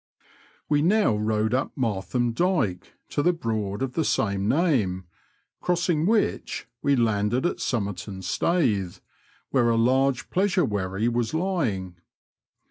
We now rowed up Martham Dyke to the Broad of the same name, crossing which, we landed at Somerton Staithe, where a large pleasure wherry was lying.